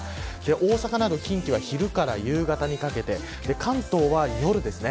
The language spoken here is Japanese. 大阪など近畿は昼から夕方にかけて関東は夜ですね。